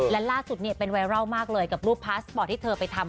แล้วล่าสุดผมไม่รอบมากเลยกับรูปพาสปอร์ตที่เธอไปทำมา